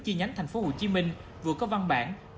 chi nhánh thành phố hồ chí minh vừa có văn bản